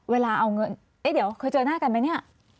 เวลาเอาเงินเอ๊ะเดี๋ยวเคยเจอหน้ากันไหมเนี่ย